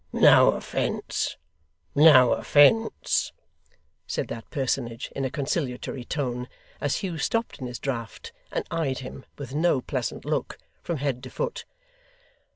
'No offence, no offence,' said that personage in a conciliatory tone, as Hugh stopped in his draught, and eyed him, with no pleasant look, from head to foot.